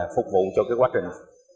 phục vụ cho cái quá trình